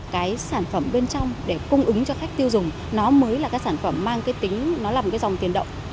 cái sản phẩm bên trong để cung ứng cho khách tiêu dùng nó mới là cái sản phẩm mang cái tính nó là một cái dòng tiền động